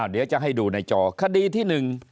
เดี๋ยวจะให้ดูในจอคดีที่หนึ่ง